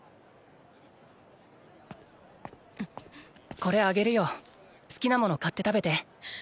これあげるよ好きなもの買って食べて。